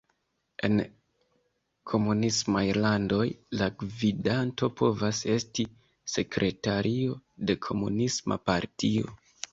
En komunismaj landoj, la gvidanto povas esti "sekretario de komunisma partio".